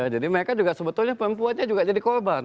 jadi mereka juga sebetulnya perempuan juga jadi korban